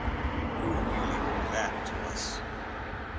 "You really owe that to us."